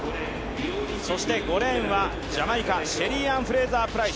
５レーンはジャマイカ、シェリー・アン・フレイザー・プライス。